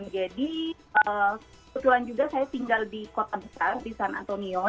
jadi kebetulan juga saya tinggal di kota besar di san antonio